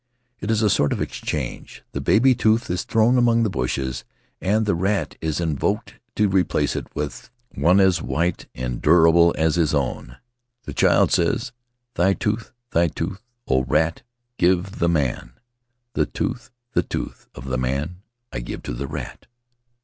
It is a sort of exchange; the baby tooth is thrown among the bushes and the rat is invoked to replace it with one as white and durable as his own. The child says: "Thy tooth, thy tooth, O rat, give to the man; The tooth, the tooth of the man, I give to the rat."